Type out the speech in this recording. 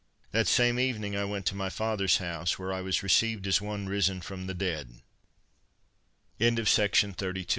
That same evening I went to my father's house, where I was received as one risen from the dead. EXPLOSION OF HIS B.